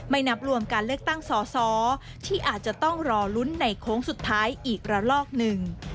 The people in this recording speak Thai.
นับรวมการเลือกตั้งสอสอที่อาจจะต้องรอลุ้นในโค้งสุดท้ายอีกระลอกหนึ่ง